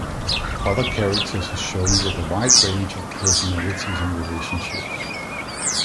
Other characters are shown with a wide range of personalities and relationships.